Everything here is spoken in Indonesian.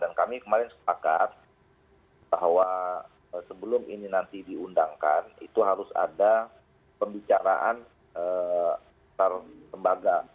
dan kami kemarin sepakat bahwa sebelum ini nanti diundangkan itu harus ada pembicaraan sebarang lembaga